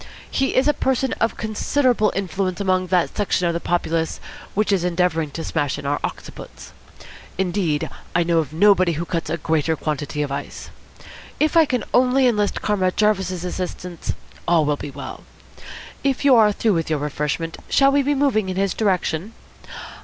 He is a person of considerable influence among that section of the populace which is endeavouring to smash in our occiputs. Indeed, I know of nobody who cuts a greater quantity of ice. If I can only enlist Comrade Jarvis's assistance, all will be well. If you are through with your refreshment, shall we be moving in his direction?